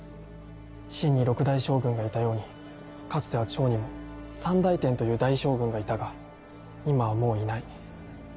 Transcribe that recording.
秦に六大将軍がいたようにかつては趙にも三大天という大将軍がいたが今はもういない。